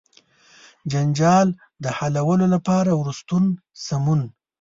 جنجال د حلولو لپاره ورستون سو.